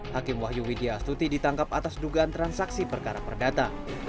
hakim wahyu widya astuti ditangkap atas dugaan transaksi perkara perdata